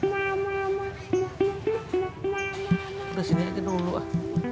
udah sini aja dulu ah